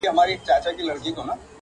o نابلده غل جومات ماتوي٫